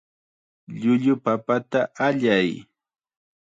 Llullu papata allay.